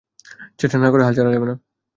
চেষ্টা না করে, হাল ছাড়া যাবে না।